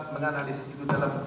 menganalisis itu dalam